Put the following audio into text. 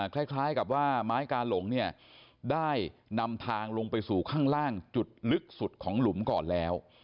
คล้ายกับว่าไม้กาหลงเนี่ยได้นำทางลงไปสู่ข้างล่างจุดลึกสุดของหลุมก่อนแล้ว